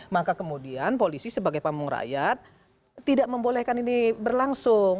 maka kemudian polisi sebagai pamung rakyat tidak membolehkan ini berlangsung